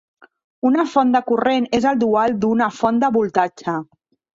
Una font de corrent és el dual d'una font de voltatge.